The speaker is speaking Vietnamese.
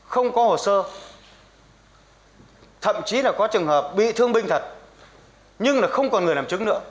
không có hồ sơ thậm chí là có trường hợp bị thương binh thật nhưng là không còn người làm chứng nữa